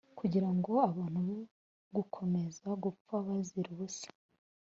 kugira ngo abantu bo gukomeza gupfa bazira ubusa